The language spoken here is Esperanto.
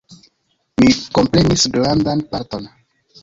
Mi komprenis grandan parton.